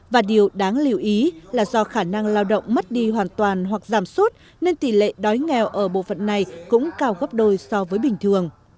và điều đáng lưu ý là do khả năng lao động mất đi hoàn toàn hoặc giảm sút nên tỷ lệ đói nghèo ở bộ phận này cũng cao gấp đôi so với bình thường